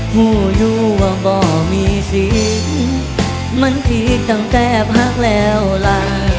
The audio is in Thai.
หัวอยู่ว่าบอกมีสิทธิ์มันผิดตั้งแต่พักแล้วล่ะ